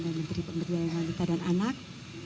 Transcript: dan menteri pemberdayaan wanita dan anak